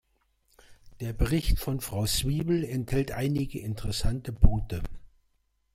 Der Bericht von Frau Swiebel enthält einige interessante Punkte.